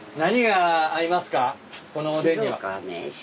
このおでんには。